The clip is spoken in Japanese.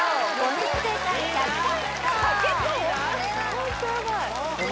ホントヤバいお前